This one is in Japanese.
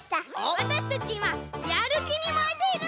わたしたちいまやるきにもえているの！